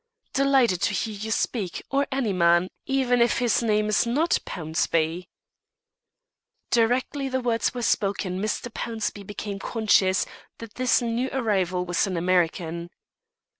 "Delighted to hear you speak, or any man, even if his name's not Pownceby." Directly the words were spoken Mr. Pownceby became conscious that the new arrival was an American.